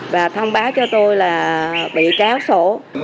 và thông báo cho tôi là bị tráo sổ